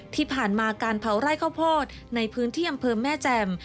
ที่ผ่านมาการเผาไร่ข้าวโพดในพื้นที่อำเภอแม่แจ่ม